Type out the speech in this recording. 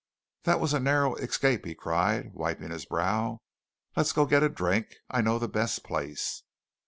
"That was a narrow escape!" he cried, wiping his brow. "Let's go get a drink. I know the best place."